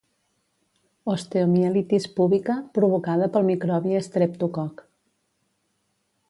Osteomielitis púbica provocada pel microbi estreptococ.